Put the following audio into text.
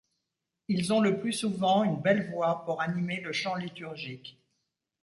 Ils ont le plus souvent une belle voix pour animer le chant liturgique.